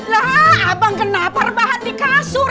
lah abang kenapa rebahan di kasur